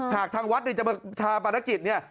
หากทางวัดจะมาชาปนกิจเนี่ย